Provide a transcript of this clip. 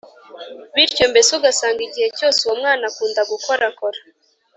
bityo mbese ugasanga igihe cyose uwo mwana akunda gukorakora